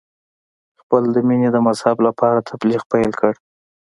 خپل د مینې د مذهب لپاره تبلیغ پیل کړ.